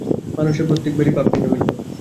মানুষের প্রত্যেকেরই ভাব ভিন্ন ভিন্ন।